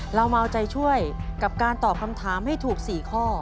เรามาเอาใจช่วยกับการตอบคำถามให้ถูก๔ข้อ